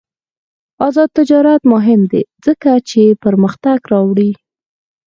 آزاد تجارت مهم دی ځکه چې پرمختګ راوړي.